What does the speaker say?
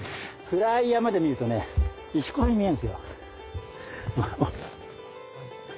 暗い山で見るとね石ころに見えるんですよ。